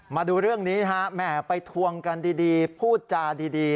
มาดูเรื่องนี้ฮะแหมไปทวงกันดีพูดจาดี